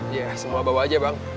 iya semua bawa aja bang